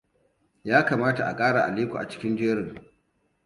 Ya kamata a kara Aliko a cikin jerin.